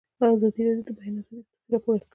ازادي راډیو د د بیان آزادي ستونزې راپور کړي.